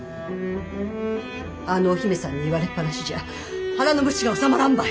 あのお姫さんに言われっ放しじゃ腹の虫が治まらんばい。